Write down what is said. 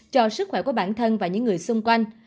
cho sức khỏe của bản thân và những người xung quanh